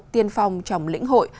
tiên phong chồng lĩnh hội